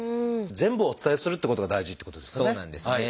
全部をお伝えするっていうことが大事っていうことですねはい。